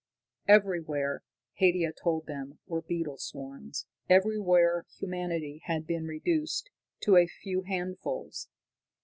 Everywhere, Haidia told them, were beetle swarms, everywhere humanity had been reduced to a few handfuls.